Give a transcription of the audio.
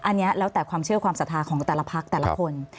อันนี้แล้วแต่ความเชื่อความศรัทธาของแต่ละพักแต่ละคน